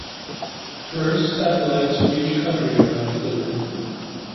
First satellites from each country are included.